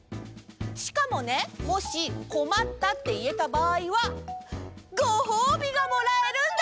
しかもねもし「こまった」っていえたばあいはごほうびがもらえるんだ！